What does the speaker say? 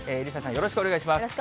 よろしくお願いします。